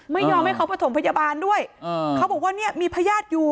ไม่ยอมให้เขาประถมพยาบาลด้วยเขาบอกว่าเนี่ยมีพญาติอยู่